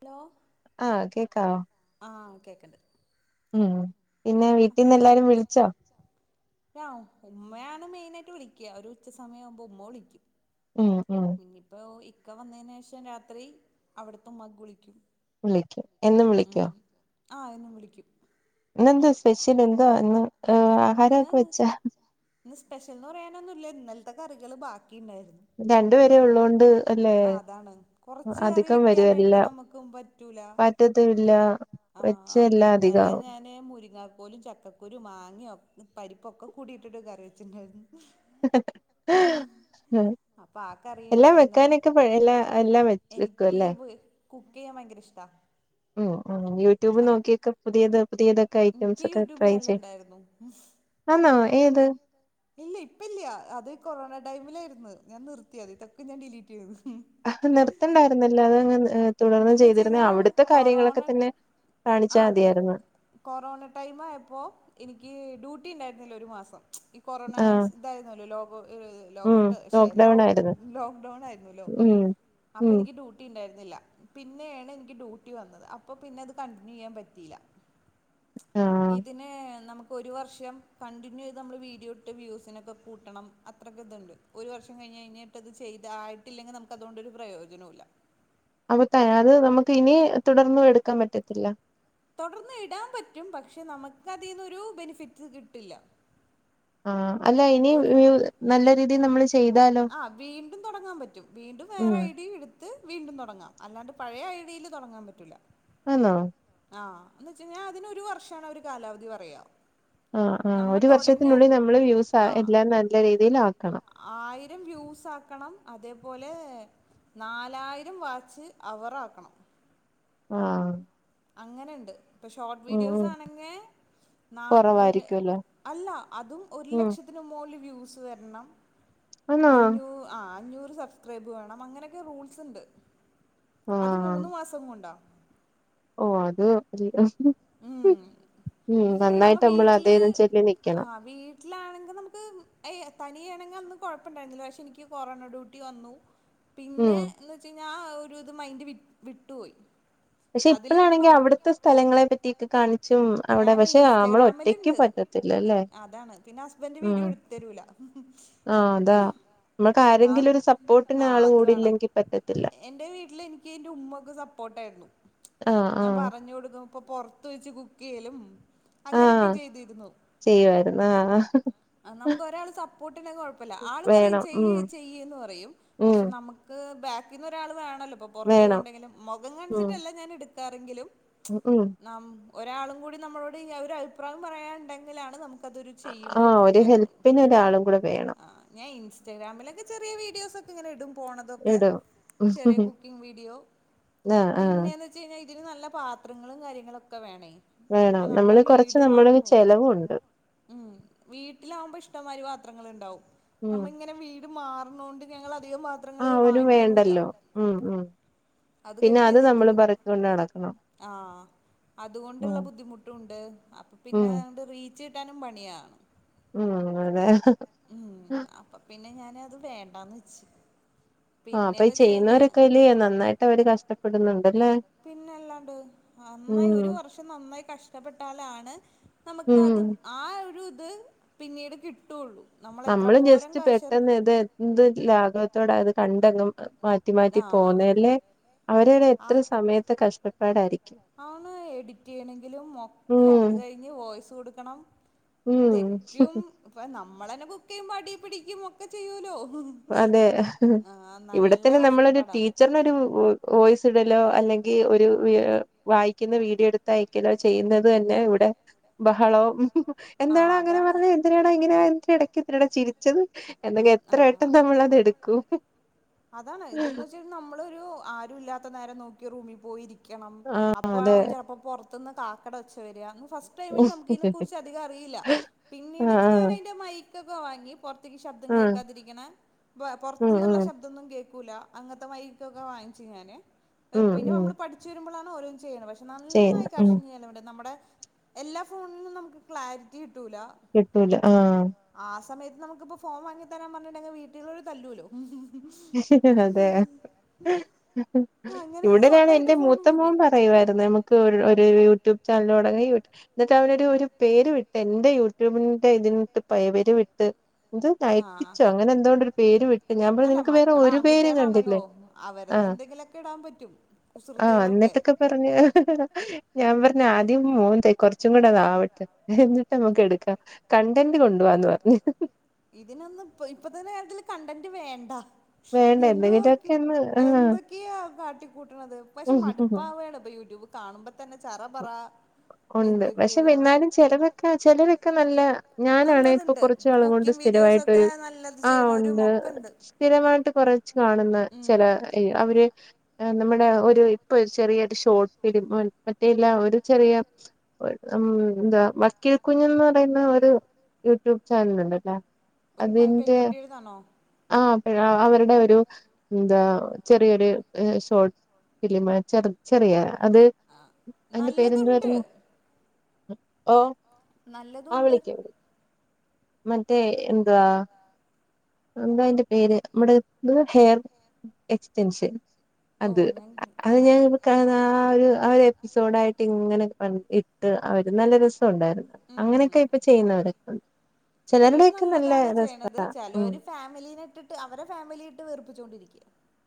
Hello ആഹ കേക്കാവോ ആ കേൾക്കണ്ട് ഉം പിന്നെ വീട്ടിൽന്ന് എല്ലാരും വിളിച്ചോ ഉമ്മയാണ് മെയിന ആായിട്ട് വിളിക്കുക ഒരു ഉച്ച സമയം ആവുമ്പോ മുമ്പോ വിളിക്കും ഉം ഉം ഇനിയിപ്പോ ഇക്ക വന്നതിന് ശേഷം രാത്രി അവിടത്തെ ഉമ്മ കുളിക്കും വിളിക്കോ എന്നും വിളിക്കോ ആ എന്നും വിളിക്കും ഇന്ന്ന്തോ സ്പെഷ്യൽ എന്തോ അന്ന് ഇന്ന് ആഹാരൊക്കെ വെച്ച ഇന്ന് സ്പെഷ്യൽ എന്ന് പറയാനൊന്നുമില്ല ഇന്നലത്തെ കറികൾ ബാക്കി ഉണ്ടായിരുന്നു രണ്ടു പേര ഉള്ളതോണ്ട് ആ അതാണ് കുറച്ച് കറി വരും വെക്കാനായിട്ട് എല്ലാം നമുക്കും പറ്റൂല പറ്റത്തുല്ല ആഹ വെച്ച അപ്പൊ എല്ലാം ഇന്നലെ അധികാവും ഞാന് മുരിങ്ങ കോലും ച- ചക്കക്കുരു മാങ്ങിയൊ പരിപ്പൊക്കെ കൂടിയിട്ടിട്ട് കറി വെച്ചിണ്ടായിരുന്നു ആ അപ്പൊ ആ കറി എല്ലാം ഇണ്ടായിന്ന് വെക്കാനൊക്കെ എല്ല എല്ലാം വ വെക്കും എനിക്ക് അല്ലേ കുക്ക് ചെയ്യാൻ ഭയങ്കര ഇഷ്ടമാണ് ഉം ഉം യൂട്യൂബ് നോക്കിയൊക്കെ പുതിയത് പുതിയത് - ഐറ്റംസ് എനിക്ക് ഒക്കെ യൂട്യൂബ് ട്രൈ ചാനൽ ചെയ് ഉണ്ടായിരുന്നു ആന്നോ ഏത് ഇല്ല ഇപ്പ ഇല്ലിയ അത് കൊറോണ ടൈമിലായിയിരുന്നു ഞാൻ നിർത്തിയത് ഇതൊക്കെ ഞാൻ ഡിലീറ്റ് ചെയ്‌തു നിർത്തണ്ടായിരുന്നല്ലോ അതങ്ങ് തുടർന്ന് എന്ന് വെച്ച് ചെയ്തിരുന്ന കഴിഞ്ഞാ അവിടുത്തെ കൊറോണ കാര്യങ്ങളൊക്കെ തന്നെ- ആ കാണിച്ചാ അത് മതിയായിരുന്നു കൊറോണ ടൈം ആയപ്പോൾ എനിക്ക് ഡ്യൂട്ടി ഉണ്ടായിരുന്നില്ല ഒരു മാസം ഈ കൊറോണ ആഹ് സ- ഇതായിരുന്നല്ലോ ലോകം - ഉം ലോഗഔട്ട് ശേ ലോക്ക്ഡൗൺ ആയിരുന്നു ലോക്ക് ഡൗൺ ആയിരുന്നല്ലോ ഉം അപ്പൊ ഉം എനിക്ക് ഡ്യൂ - ട്ടി ഉണ്ടായിരുന്നില്ല പിന്നെയാണ് എനിക്ക് ഡ്യൂട്ടി വന്നത് അപ്പോൾ പിന്നെ അത് കണ്ടിന്യൂ ചെയ്യാൻ പറ്റിയില്ല ആഹ് ഇതിനെ നമുക്ക്- ഒരു വർഷം കണ്ടിന്യൂ ചെയ്ത് നമ്മൾ വീഡിയോ ഇട്ട് വ്യൂസിനൊക്കെ കൂട്ടണം അത്രൊക്കെ ഇതുണ്ട് ഒരു വർഷം കഴിഞ് കഴിഞ്ഞിട്ട് അത് ചെയ്തായിട്ടില്ലെങ്കിൽ നമുക്ക് അതുകൊണ്ടൊരു പ്രയോജനവും ഇല്ല അപ്പൊ തെ [unintelligible] അത് നമുക്ക് ഇനി തുടർന്നും എടുക്കാൻ പറ്റത്തില്ല തൊടർന്ന് ഇടാൻ പറ്റും പക്ഷെ നമുക്ക് അതിന്നൊരു ബെനിഫിറ്റ് കിട്ടില്ല ആ അല്ല ഇനി ഒരു നല്ല രീതിയിൽ നമ്മള് ചെയ് - ആ വീണ്ടും തൊടങ്ങാൻ പറ്റും വീണ്ടും ഉം വേറെ ഐഡിയും എടുത്ത്- ത്ത് വീണ്ടും തൊടങ്ങാം അല്ലാണ്ട് പഴയ ഐഡിയിൽ തൊടങ്ങാൻ പറ്റൂല്ല ആന്നോ ആഹ് എന്ന് വെച്ച് കഴിഞ്ഞാൽ അതിനൊരു വർഷമാണ് അവര് കാലാവധി പറയ്ക ആഹ് ആഹ് ഒരു വർഷത്തിനുള്ളിൽ നമ്മള് യ്യൂസ്‌ ആ എല്ലാം നല്ല രീതിയിൽ ആക്കണം ആയിരം വ്യൂസ്‌ ആക്കണം അതേപോലെ- നാലായിരം വാച്ച് അവർ ആക്കണം ആഹ് അങ്ങനെ ഉണ്ട് ഇപ്പൊ ഷോർട്ട് ഉം വീഡിയോസ് ഉം ആണെങ്കിൽ കൊറവായിരിക്കുവല്ലോ അല്ല അതും ഒരു ഉം ലക്ഷത്തി- ന് മോളിൽ വ്യൂസ് വരണം ആന്നോ അഞ്ഞൂ- ആ അഞ്ഞൂറ് സബ്സ്ക്രൈബ് വേണം അങ്ങനെയൊക്കെ റൂൾസ് ഉണ്ട് അത് മൂന് മാസ- പുസ്സങ്ങം കൊണ്ടോ [unintelligible] ഓ അത് [unintelligible] ഉം എന്ന് വെച്ച നമ്മ നന്നായിട്ട് നമ്മള് വീട്ടില് അതേന്ന് ചെല്ലി നിൽക്കണം ആഹ് വീട്ടിലാണെങ്കിൽ നമുക്ക് അയി തനിയാണെങ്കിൽ ഒന്നും കൊഴപ്പമുണ്ടായിരുന്നില്ല പക്ഷെ എനിക്ക് കൊറോണ ഡ്യൂട്ടി വന്നു ഉം പിന്നെ എന്ന് വച്ച് കഴിഞ്ഞാൽ ആ ഒരു ഇത് മൈൻഡ് വി വിട്ടുപോയി പക്ഷെ ഇപ്പോഴാണെങ്കിൽ അതിലിടണം അവിടുത്തെ സ്ഥലങ്ങളെ പറ്റിക്കെ കാണി- ച്ചും അവിടെ ഞാൻ പക്ഷെ നമ്മള് ഒറ്റക്ക് ഇൻസ്റ്റഗ്രാമിലുണ്ട് പറ്റത്തില്ല അല്ലേ ഉം തെരൂല ആഹ് അതാ നമ്മക്ക് ആൾ ആരെങ്കിലും ഒരു സപ്പോർട്ടിന് ആഹ് ആള് അത് കൂടി വേണം ഇല്ലെങ്കിൽ പറ്റത്തില്ല എൻ്റെ വീട്ടില് എനിക്ക് എൻ്റെ ഉമ്മയൊക്കെ സപ്പോർട്ടായിരുന്നു ആഹ് ഞാൻ ആഹ് പറഞ്ഞു കൊടുക്കും അപ്പൊ പൊറത്ത് വെച്ച് കുക്ക് ചെയ്യലും അങ്ങനൊക്കെ ആഹ് ചെയ്തിരുന്നു ചെയ്യുവായിരുന്നു ആഹ് ഹ നമുക്ക് ഒരാള് സപ്പോർട്ട് ഇല്ലെങ്കി കൊഴപ്പമില്ല ആള് പറയും വേണം ഉം ചെയ്യ് ചെയ്യ്ന്ന് പറയും ഉം പക്ഷെ നമുക്ക്- നമ്മക്ക് ബാക്കിന്ന് ഒരാൾ വേണല്ലോ ഇപ്പ പൊറത്ത് വേണം പോകണ്ടെങ്കിലും മുഖം കാണിച്ചിട്ടല്ല ഞാൻ എടുക്കാറങ്കിലും- ഉ ഉം നാം ഒരാളും കൂടി നമ്മളോട് ഈ ഒരു അഭിപ്രായം പറയാനുണ്ടെങ്കിലാണ് നമുക്ക്- അതൊരു ചെയ്യുമ്പോ ആഹ് ഒരിത് ഒരു ഉണ്ടായിരുന്നു ഹെൽപ്പിന് ഒരാളും കൂടെ വേണം ആഹ് ഞാൻ ഇസ്റ്റഗ്രാമിലൊക്ക ചെറിയ വീഡിയോസൊ ക്ക ഇങ്ങന ഇടും പോണതൊക്കെ ഇടും ചെറിയ കുക്കിംങ് വീഡിയൊ ആഹ് പിന്ന ആഹ് കഴിഞ്ഞ ഇതിന് നല്ല പാത്രങ്ങളു കാര്യങ്ങളൊക്ക വേണെ വേണം ഇപ്പൊ നമ്മ നമ്മള് കൊറച്ച് വീട് നമ്മള് മാറുമ്പൊ ചെലവുണ്ട് ഉം വീട്ടിലാവുമ്പൊ ഇഷ്ടമാതിരി പാത്രങ്ങള് ഇണ്ടാവും ഉം നമ്മ ഇങ്ങനെ വീ മാറ്ണോണ്ട് ഞങ്ങളധികം പാ ആഹ് ഓന് വേണ്ടല്ലൊ ഉം ഉം പിന്ന അത് നമ്മള് പറക്കോണ്ട് നടക്കണം ഉം അതുകൊണ്ട്ള്ള ബുദ്ധിമുട്ടൂണ്ട് അപ്പം പിന്നെ ഉം അതൊണ്ട് റീച്ച് കിട്ടാനും പണിയ ഉം അതെ ഉം അപ്പൊ പിന്നെ ഞാനത് വേണ്ടാന്ന് വെച്ച് ആഹ് അപ്പൊ പിന്നെന്ന് ഈ വെച്ച് കഴിഞ്ഞാ ചെയ്യുന്നവരൊക്ക അയില് നന്നായിട്ട് അവര് കഷ്ടപ്പെടുന്നുണ്ടല്ലേ പിന്നല്ലാണ്ട് നന്നായി ഉം ഒരു വർഷം നന്നായി കഷ്ട്ടപ്പെട്ടാലാണ് നമുക്ക് ഉം അത് ആഹ് ഒരു ഇത് പിന്നീട് കിട്ടൊള്ളു നമ്മള് ജസ്റ്റ് പെട്ടെന്ന് ഇത് എന്ത് ലാഘവത്തോട അത് കണ്ടങ്ങ് മാറ്റി മാറ്റി ആഹ് പോന്നല്ലേ അവര്ടെ എത്ര സമയത്തെ കഷ്ടപ്പാടാരി അവണ് എഡിറ്റ് ചെയ്യണെങ്കിലും ഒക്കെ ഉം അത് കഴിഞ്ഞ് വോയ്സ് കൊട്ക്കണം ഉം തെറ്റും ഇപ്പ നമ്മളന്നെ കുക്കിയ്യുമ്പൊ അടി പിടിക്കും ഒക്ക ചിയ്യൂലോ അതേ ഇവിടത്തന്നെ നമ്മളൊരു കഷ്ടപ്പാടാ ടീച്ചർനൊരൂ വോയ്സ് ഇടലോ അല്ലെങ്കി ഒരു വായിക്ക്ന്ന വീഡിയോ എട് തയ്ക്കലൊ ചെയ്യുന്നത് തന്നെ ഇവിടെ ബഹളവും എന്താണ് ആഹ് അങ്ങനെ അതാണ് പറ്ഞ്ഞെ [unintelligible] ഇങ്ങനെ എടയ്ക്ക് എന്തിനാട ചിരിച്ചത് എന്തെങ്കി എത്ര [unintelligible] നമ്മളത് എടുക്കും നമ്മളൊരൂ ആരു ഇല്ലാത്ത നേരം നോക്കി റൂമിൽ പോയിരിക്കണം ആഹ് അപ്പ അതെ ചെൽപ്പൊ പൊറ തിന്ന് കാക്കടെ ഒച്ച വര ഇന്ന് ഫസ്റ്റ് ടൈമില് നമുക്കീനെ കുറ്ച്ച് അധികം അറീല ആഹ് പിന്നീടൊക്ക ഞാനയിന്റെ മൈകൊക്ക വാങ്ങി പൊറ്ത്ത്ക്ക് ശബ്ദം ആഹ് കേക്കാതിരിക്ണെ ഉം പൊറ്ത്ത്ന്നിള്ള ഉം ശബ് തൊന്നും കേക്കൂല അങ്ങൻത്ത മൈകൊക്ക വാങ്ങിച്ചു ഞാന് ഉം പിന്ന ഉം നമ്മള് പഠി ച്ചു വരുമ്പളാണ് ഒരോന്ന് ചെയ്യ്ണെ പക്ഷെ നന്നായി ചെയ്യുന്നു ഉം കാഷ്ന് ചെലവിണ്ട് നമ്മടെ എല്ലാ ഫോണിലും നമുക്ക് ക്ലാരിറ്റി കിട്ടൂല കിട്ടൂല ആഹ് ആഹ് സമയത്ത് നമുകിപ്പൊ ഫോം വാങ്ങി തരാ പറഞ്ഞിണ്ടെങ്കി വീട്ടിലിള്ളോൽ തല്ലൂലൊ അതേ ആ അങ്ങനെ ഞാൻ ഇവിടനാണ് സ്വന്തമായിട്ട് എന്റെ ഫോൺ മൂത്ത നോക്കി മോൻ പറയുവായിര്ന്ന് നമു ക്ക് ഒരു യൂട്യൂബ് ചാനലൊടങ്ങ ഇന്നിട്ട് അവനൊരു ഒരു പേരു ഇ എന്റെ യൂട്യൂബിന്റെ ഇതിന്ന് പയ് വരുവിട്ട് ഇത് ആഹ് നയിപ്പിച്ചൊ അങ്ങനെ എന്തോണ്ടൊരു പേരു ഇട്ട് ഞാൻ പറഞ്ഞ് മക്കള ആൺകുട്ടീളാണലോ ആഹ് അവരതെന്തെങ്കിലൊക്ക ഇടാ പറ്റും കുസൃതീളൊക്കെ പറഞ്ഞാ ഞാൻ പറഞ്ഞ് ആദ്യം മോൻതെ കൊറ്ച്ചും കുട അതാവട്ടെ എന്നിട്ട് അമ്മക്ക് എടുക്കാം കണ്ടന്റ് കൊണ്ടുവാന്ന് പറഞ് ഇതിനൊന്നും ഇപ്പ ഇപ്പത്തന്ന കാര്യത്തില് കണ്ടന്റ് വേണ്ട വേണ്ട എന്തോകി എന്തെങ്കിലുമൊക്കെ ഒന്ന് ആഹ് എന്തൊ ക്യാ കാട്ടിക്കൂട്ട്ണത് പക്ഷെ മടുപ്പാവാണ് ഇപ്പ യൂട്യൂബ് കാണുമ്പൊ തന്നെ ചറ പറ എന്തൊക്കെയാ ക്ക ചെലര് ഒക്കെ നല്ല ഞാനാണേ ഇപ്പൊ നല്ലതുണ്ട് കുറച്ച് നാളും കൊണ്ട് കുക്കിംഗ് വീഡിയോസൊക്കെ സ്ഥിരമായിട്ടോരു നല്ലത് ആഹ് ചെയ്യണവരും ഒണ്ട് ഒക്കെ ഉണ്ട് സ്ഥിരമായിട്ട് കുറച്ച് കാണുന്ന ഉം ചില ര് അവര് നമ്മുടെ ഒരു ഇപ്പൊ ഒരു ചെറിയ ഒരു ഷോർട്ട് ഫിലിം മറ്റേല്ല ഒരു ചെറിയ ഒര് ന്താ വക്കേ കുന്നൻ പറയുന്ന ഒരു യൂട്യൂബ് ചാനൽ ഉണ്ടല്ലോ ഒരു അതിന്റെ പെൺകുട്ടിയുടേതാണോ ആഹ് പ്പഴ അവരുടെ ഒരു എന്താ ചെറിയൊരു ഏഹ് ഷോട്ട ഫിലിം ചെറ് ചെറിയാ അത് ആ അതിന്റെ നല്ലതുണ്ട് പേരന്ത്‌വായിരുന്നു ഓഹ് ആഹ് നല്ലതുണ്ട് വിളിക്യ വിളി മറ്റേ എന്തുവാ എന്ത്‌വാ അതിന്റെ പേര് നമ്മടെ ഹെയർ എക്സ്റ്റൻഷൻ ഓ അത് ഞാൻ അത് ആ ഞാൻ കാണാ ആ ഒരു ആ ഒരു എപ്പിസോഡായിട്ട് ഇങ്ങനെ ഇട്ട് അവര് നല്ല രസണ്ടായിരുന്നു അങ്ങനെയൊക്കെ ഇപ്പൊ ചെയ്യുന്നവരൊക്കെണ്ട് ചെലോര് നല്ലതാണ് ചെയ്യ്ണത് ഉം ചെലോര് ഫാമിലിനെ ഇട്ടിട്ട് അവരെ ഫാമിലിട്ട് വേർപ്പിച്ചൊണ്ടിരിക്കാ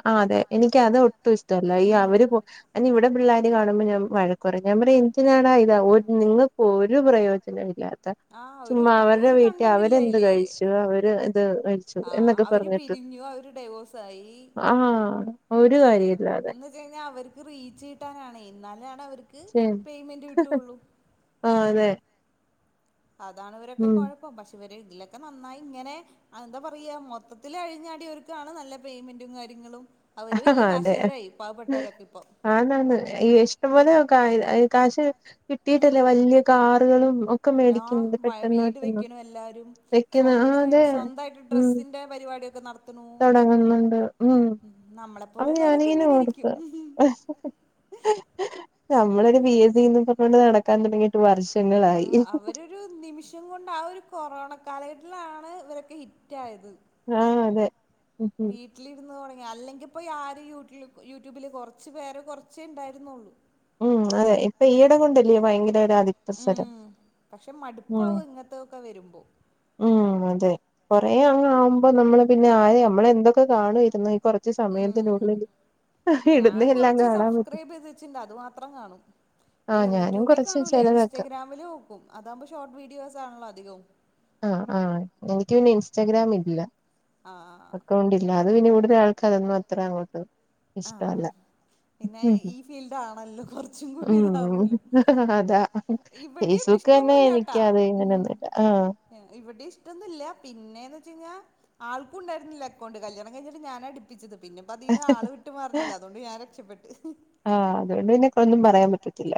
ആഹ് അതെ എനിക്ക് അത് ഒട്ടും ഇഷ്ടമല്ല ഈ ഉം അവര് പോ ഞാന് ഇവിടെ പിള്ളേർ കാണുമ്പോൾ ഞാൻ വഴക്കുപറിം ഞാൻ പറയാ എന്തിനാടാ ഇത്‌ നിങ്ങൾക്ക് ഒരു പ്രയോജനം ഇല്ലാ തെ ആ ഒരു ചുമ്മാ ക അവരുടെ ഒരു വീട്ടി കണ്ടന്റ് ഇല്ല അവരെന്ത് കഴിച്ചു അവര്ത് ആഹ് അവര് പിരിഞ്ഞു അവര് ഡൈവോഴ്സായി ആഹ് ഒരു കാര്യല്ലാതെ ന്ന് വെച്ചഴിഞ്ഞാ അവർക്ക് റീച്ച് കിട്ടാനാണ് ഇന്നാലാണവർക്ക് ശരി ആഹ് ഹ് അതെ അതാണ് ഇവരൊക്കെ ഉം കൊഴപ്പം പക്ഷെ ഇവര് ഇതിലൊക്കെ നന്നായി ഇങ്ങനെ ആഹ് ന്താ പറയാ മൊത്തത്തിലഴിഞ്ഞാടിയവർക്കാണ് നല്ല പേയ്മെന്റും കാര്യങ്ങളും അവര് ആഹ് ഹ് വലിയ അതെ കാശുകാരായി പാവപ്പെട്ടവരൊക്കെ ഇപ്പം ആന്നാന്ന് ഈ ഇഷ്ടംപൊലെ കാ കാശ് കിട്ടീട്ടില്ലേ ഉം വല്ല്യ കാറ്കളും ഒ ക്ക മേടിക്ക്ണ്ട് ആഹ് പെട്ടന്ന് വീട് പെട്ടെന്ന് വെക്കണു എല്ലാരും വെക്കുന്ന ആഹ് സ്വന്തമായി അതെ സ്വന്തായിട്ട് ഉം ഡ്രസ്സിന്റെ പരിപാടിയൊക്കെ നടത്തണു തോടങ്ങുന്നുണ്ട് ഉം നമ്മളെ അത്‌ പോലെയുള്ളവരൊക്കെ ഞാനിങ്ങനെ ഇങ്ങനെ ഇരിക്കും ഓർക്ക ഹ് ഹ് നമ്മളൊരു ബി എസ്സി ന്ന് പറഞ്ഞൊണ്ട് നടക്കാ തൊടങ്ങിട്ട് വർഷങ്ങളായി ഒരു നിമിഷം കൊണ്ട് ആ ഒരു കൊറോണ കാലഘട്ടത്തിലാണ് ഇവരൊക്കെ ഹിറ്റായത് ആഹ് അതെ ഉം ഉം വീട് ട്ടിലിരുന്ന് തൊടങ്ങി അല്ലെങ്കി ഇപ്പോ യാര് യൂറ്റ്ലൂ യൂട്യൂബില് കൊറച്ച് പേരെ കൊറച്ചേണ്ടായിരുന്നുള്ളു ഉം അതെ ഇപ്പൊ ഈയിട കൊണ്ടല്ല്യോ ഭയങ്കരോരു ഉം പക്ഷെ മടുപ്പാവു ഇങ്ങൻത്തൊക്കെ വരുമ്പോ ഉം അതെ കൊറേ അങ്ങാകുമ്പോ നമ്മള് പിന്നെ ആരെ നമ്മളന്തൊക്കെ കാണുമായിരുന്നു കൊ ച്ച ഉം സമയത്തിനുള്ളിൽ ഇടുന്ന എല്ലാം കാണാൻ പറ്റൊ പ്പേത് വച്ണ്ട് അത് മാത്രം കാണും പ്പ ആഹ് ഞാനും യൂട്യൂബി കൊറച്ച് കാണൂല്ല ചെലതൊക്കെ ഇൻസ്റ്റഗ്രാമി നോക്കും അതാകുമ്പോ ഷോർട്ട് വീഡിയോസ് ആണല്ലോ അധികവും ആഹ് ആഹ് എനിക്ക് പിന്നെ ഇൻസ്റ്റഗ്രാം ഇല്ല ആഹ് അക്കൗണ്ടി അല്ലാതെ പിന്നെ ഇവിടുത്തെ ആൾക്ക് അതൊന്നും അത്ര അങ്ങോട്ട് ഇഷ്ടവല്ല ആഹ് പിന്നെ ഉം ഈ ഫീൽഡ് ആണല്ലോ കുറച്ചും കൂടി ഉം ഇതാവൂലോ അതാ ഇവിടെയും ഫേസ്ബുക്ക് തന്നെ എനിക്ക് ഇഷ്ടൊന്നുല്ലാട്ടാ അത് ഉം ഇങ്ങനെയൊന്നുവില്ല ആഹ് ഇവിടെ ഇഷ്ടൊന്നില്ല പിന്നേന്ന് വെച്ച് കഴിഞ്ഞാ ആൾക്കും ഉണ്ടായിരുന്നില്ല അക്കൗണ്ട് കല്യാണം കഴിഞ്ഞിട്ട് ഞാനാ എടു പ്പിച്ചത് പിന്നെ ഇപ്പോ അതീന്ന് ആള് വിട്ട് മാറുന്നില്ല അത് കൊണ്ട് ഞാൻ രക്ഷപ്പെട്ട് ആഹ് അതുകൊണ്ട് പിന്നെ എക്കൊന്നും പറയാൻ പറ്റത്തില്ല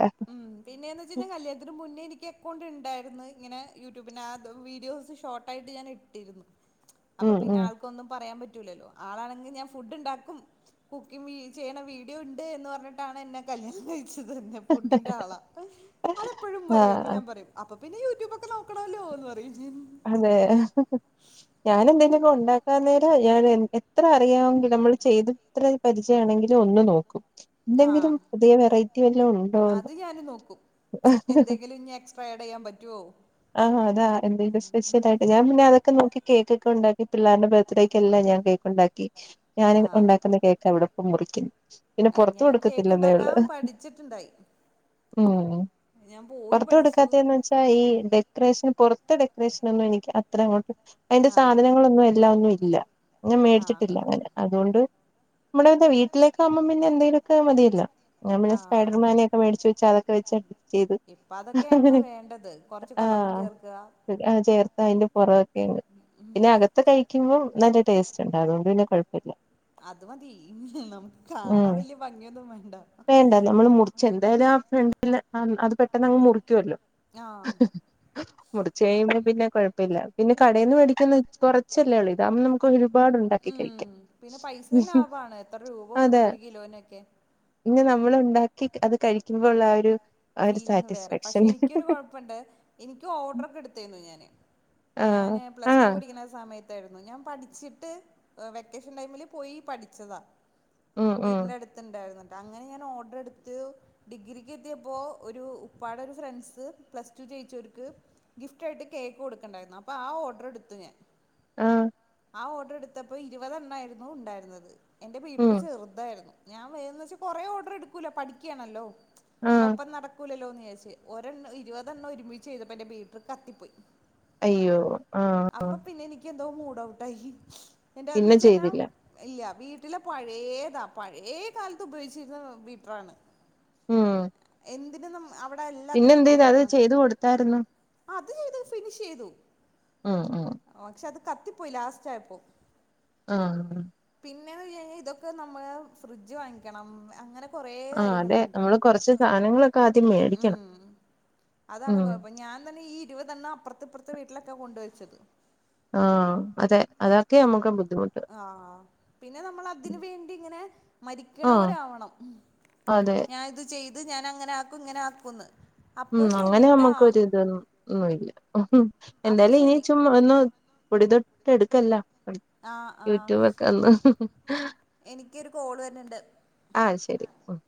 പിന്നേന്ന് വെച്ച് കഴിഞ്ഞാൽ കല്യാണത്തിന് മുന്നേ എനിക്ക് അക്കൗണ്ട് ഉണ്ടായിരുന്നു ഇങ്ങനെ യൂട്യൂബിന് ആ വീഡിയോസ് ഷോട്ടായിട്ട് ഞാന് ഇ ട്ടിരുന്നു അപ്പൊ ഉം പിന്നെ ഉം ആൾക്കൊന്നും പറയാൻ പറ്റൂലല്ലോ ആളാണെങ്കിൽ ഞാൻ ഫുഡ് ഉണ്ടാക്കും കുക്കിംഗ് ചെയ്യണ വീഡിയോ ഉണ്ട് എന്ന് പറഞ്ഞിട്ടാണ് എന്നെ കല്യാണം കഴിച്ചത് തന്നെ ഫുഡിന്റെ ആളാ അതെപ്പഴും പറയും അപ്പൊ ആഹ് ഞാൻ പറയും അപ്പൊ പിന്നെ യൂട്യൂബൊക്കെ നോക്കണോല്ലോ എന്ന് പറയും അതെ ഞാന് എന്തേലൊക്കെ ഉണ്ടാ ക്കാൻ നേരം ഞാൻ എത്ര അറിയാമെങ്കിലും നമ്മള് ചെയ്ത് എത്ര പരിചയമാണെങ്കിലും ഒന്ന് നോക്കും ആഹ് എന്തെങ്കിലും പുതിയ വെറൈറ്റി വല്ലാം ഉണ്ടോന്ന് അത് ഞാന് നോക്കും എന്തെങ്കിലും ഇനി എക്സ്ട്രാ ആഡ് ചെയ്യാൻ പറ്റുവോ ആഹ് അതാ എന്റെയും സ്പെ ഷ്യലായിട്ട് ഞാൻ പിന്നെ അതൊക്കെ നോക്കി കേക്കൊക്കെ ഉണ്ടാക്കി പിള്ളേരുടെ ബർത്ഡേക്കല്ലാം ഞാൻ കേക്ക് ഉണ്ടാക്കി ഞാന് ഉണ്ടാക്കുന്ന ആഹ് കേക്കാ ഇവിടിപ്പം മുറിക്കുന്നേ പിന്നെ പൊറത്ത് ഞാൻ കേക്ക് കൊടുക്കത്തില്ലെന്നേ ഒള്ള് ഉണ്ടാക്കാൻ പഠിച്ചിട്ടുണ്ടായി ഉം ഞാൻ പോയി പുറത്ത് പഠിച്ചു കൊടുക്കാത്തേന്ന് വെച്ചാ ഈ ഡെ ക്കറേഷന് പുറത്തെ ഡെക്കറേഷനൊന്നും എനിക്ക് അത്ര അങ്ങോട്ട് അതിന്റെ ആഹ് സാധനങ്ങളൊന്നും എല്ലാം ഒന്നും ഇല്ല ഞാൻ മേടിച്ചിട്ടില്ല ആഹ് അങ്ങനെ അതുകൊണ്ട് നമ്മുടെ എന്താ വീട്ടിലേക്ക് ആകുമ്പം പിന്നെ എന്തെങ്കിലുമൊക്കെ മതിയല്ലോ ഞാൻ പിന്നെ ആഹ് സ്പൈഡർമാനെയൊക്കെ മേടിച്ച് വെച്ച് അതൊക്കെ വെച്ച് അഡ്ജസ്റ്റ് ചെയ്ത് അങ്ങനെ കുറച്ച് കളറും ചേർക്കുക ആഹ് ചേർത്ത അതിന്റെ പുറവൊക്കെയുണ്ട് ഉം പിന്നെ അക ത്ത് കഴിക്കുമ്പോ നല്ല ടേസ്റ്റ് ഉണ്ടാകും അപ്പൊ പിന്നെ കുഴപ്പം അത് മതി നമുക്ക് കാണാൻ ഉം വല്യ ഭംഗിയൊന്നും വേണ്ട വേണ്ട നമ്മള് മുറി ച്ച് എന്തായാലും ആ ഫ്രണ്ടീന്ന് അത് പെട്ടെന്നങ്ങ് മുറിക്കുവല്ലോ ആഹ് മുറിച്ച് കഴിയുമ്പോൾ പിന്നെ കുഴപ്പമില്ല പിന്നെ കടയിൽ നിന്ന് മേടിക്കുന്ന കുറച്ചല്ലേ ഒള്ളൂ ഇതാകുമ്പം നമുക്ക് ഒരുപാട് ഉണ്ടാക്കി കഴിക്കാം ഉം പിന്നെ പൈസയും ലാഭമാണ് എത്ര രൂപ കൊടുക്കണം ഒരു കിലോനൊക്കെ ഇന്നി നമ്മൾ ഉണ്ടാക്കി അത് കഴിക്കുമ്പോ ഉള്ള ആ ഒരു ആ ഒരു ഫീലിങ്ങ് വേറെ പക്ഷെ സാറ്റിസ്ഫാക്ഷൻ എനിക്കൊരു കൊഴപ്പണ്ട് എനിക്കും ഓർഡർ ഒക്കെ എടുത്തായിന് ഞാന് ആഹ് ഞാന് പ്ലസ് ടു ആഹ് പഠി ക്കുന്ന സമയത്തായിരുന്നു ഞാൻ പഠിച്ചിട്ട് വെക്കേഷൻ ടൈമില് പോയി പഠിച്ചതാ ഉം ഉം വീടിന്റെ അടുത്തുണ്ടായിരുന്ന് കേട്ടോ അങ്ങനെ ഞാൻ ഓർഡർ എടുത്ത് ഡിഗ്രിക്ക് എത്തിയ പ്പോ ഒരു ഉപ്പാടെ ഒരു ഫ്രണ്ട്സ് പ്ലസ് ടു ജയിച്ചവർക്ക് ഗിഫ്റ്റായിയിട്ട് കേക്ക് കൊടുക്കണ്ടായിരുന്നു അപ്പോ ആ ഓർഡർ എടുത്ത് ഞാൻ ആഹ് ആഹ് ഓർഡർ എടുത്തപ്പോൾ ഇരുപതെണ്ണായിരുന്നു ഉണ്ടായിരുന്നത് എന്റെ ഉം ബീറ്ററ് ചെറുതായിരുന്നു ഞാൻ വേന്ന് വെച്ച് കൊറെ ഓർഡർ എടുക്കൂലോ പഠിക്കയാണല്ലോ ആഹ് മൊത്തം നടക്കൂലല്ലോന്ന് വിചാരിച്ച് ഒരെണ്ണം ഇരുപതെണ്ണം ഒരുമിച്ച് ചെയ്തപ്പോ എന്റെ ബീറ്ററ് കത്തിപ്പോയി അയ്യോ ആഹ് അപ്പൊ പിന്നെ എനിക്ക് എന്തോ മൂഡ്‌ ഔട്ടായി എന്റെ അതെന്ന് പിന്നെ വെച്ച് കഴിഞ്ഞാ ചെയ്തില്ല ഇല്ല്യ, വീട്ടിലെ പഴേതാ പഴേ കാലത്ത് ഉപയോഗിച്ചിര്ന്ന ബീറ്റ്റാണ്. ഉം എന്തിനെന്നും അവിടെ പിന്നെ എല്ലാത്തിനും. അത് എന്ത് ചെയ്ത് ഉപയോഗിക്കണം. ചെയ്ത് കൊടുത്തായിരുന്നു ആഹ് അത് ചെയ്തു, ഫിനിഷെയ്തു. ഉം ഉം. ഓഹ് പക്ഷെ അത് കത്തിപ്പോയി ലാസ്റ്റായപ്പൊ. ആഹ് പിന്നെ യേ ഇതൊക്കെ നമ്മള് ഫ്രിഡ്ജ് വാങ്ങിക്കണം അങ്ങനെ കൊറേ ആഹ് അതെ കാര്യങ്ങള്ണ്ട്. നമ്മള് കൊറച്ച് സാധനങ്ങളൊക്കെ ആദ്യം മേടിക്കണം ഊം. അതാണ് ഉം കൊയപ്പ ഞാൻ തന്നെ ഈ ഇരുവതെണ്ണം അപ്പർത്തിപ്പർത്തെ വീട്ടിലെക്കെ കൊണ്ടുവെച്ചത്. ആഹ് അതെ അതൊക്കെ നമുക്ക് ബുദ്ധിമുട്ട് ആഹ്. പിന്നെ നമ്മളതിന് വേണ്ടിങ്ങനെ മരിക്ക്ണോരാവണം. അതേ. ചെയ്ത് ഞാനങ്ങനാക്കും ഇങ്ങനാക്കൂ ന്ന് ഉം അങ്ങനെമ്മക്കൊരിതൊന്നും ഒന്നുല്ല. അപ്പൊ എന്താലും ഇനി ശരി ചും ഒന്നു പൊടി തൊട്ടെടുക്കെല്ലാം [unintelligible] ആഹ് ആഹ് യൂട്യൂബക്കന്ന് എനിക്കൊരു കോള് വരുന്നുണ്ട് ആഹ് അത് ശെരി ഉം